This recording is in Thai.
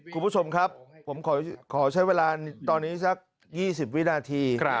คุณผู้ชมครับผมขอใช้เวลาตอนนี้สัก๒๐วินาที